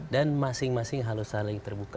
dan masing masing harus saling terbuka